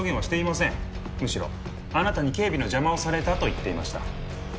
むしろあなたに警備の邪魔をされたと言っていました。